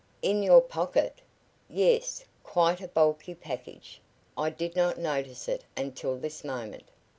"In your pocket?" "Yes, quite a bulky package. I did not notice it until this moment."